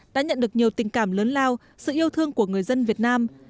đã nhận được nhiều tình cảm lớn lao sự yêu thương của người dân việt nam